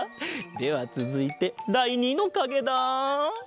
ではつづいてだい２のかげだ。